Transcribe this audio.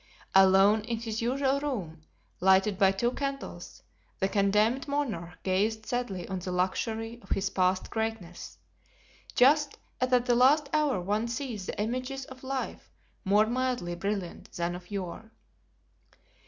Alone in his usual room, lighted by two candles, the condemned monarch gazed sadly on the luxury of his past greatness, just as at the last hour one sees the images of life more mildly brilliant than of yore.